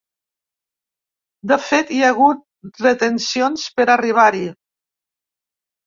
De fet, hi ha hagut retencions per a arribar-hi.